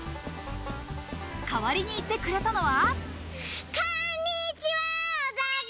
代わりに行ってくれたのは。